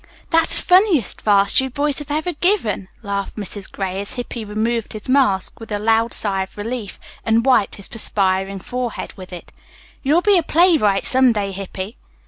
"That is the funniest farce you boys have ever given," laughed Mrs. Gray, as Hippy removed his mask with a loud sigh of relief and wiped his perspiring forehead with it. "You will be a playwright some day, Hippy."